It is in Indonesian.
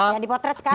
yang dipotret sekarang